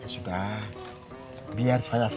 sudah biar saya saja